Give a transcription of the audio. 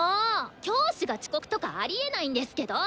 教師が遅刻とかありえないんですけど！